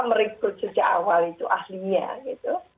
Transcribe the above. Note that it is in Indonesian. merekrut sejak awal itu ahlinya gitu